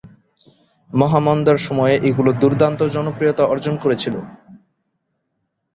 মহামন্দার সময়ে এগুলো দুর্দান্ত জনপ্রিয়তা অর্জন করেছিল।